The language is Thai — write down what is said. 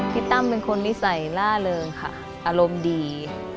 ตั้มเป็นคนนิสัยล่าเริงค่ะอารมณ์ดี